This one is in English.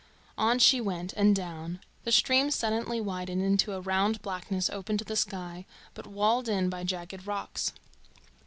On she went, and down. The stream suddenly widened into a round blackness open to the sky, but walled in by jagged rocks.